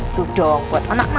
itu dong buat anak mama